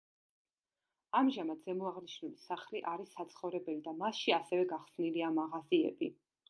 ამჟამად ზემოაღნიშნული სახლი არის საცხოვრებელი და მასში ასევე გახსნილია მაღაზიები.